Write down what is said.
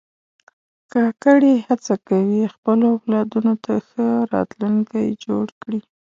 کاکړي هڅه کوي خپلو اولادونو ته ښه راتلونکی جوړ کړي.